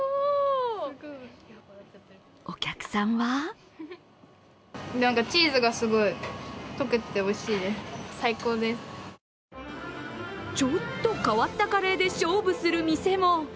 お客さんはちょっと変わったカレーで勝負する店も。